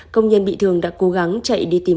công nhân bị thương đã cố gắng chạy đi tìm